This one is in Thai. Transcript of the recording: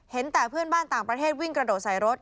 แต่เพื่อนบ้านต่างประเทศวิ่งกระโดดใส่รถ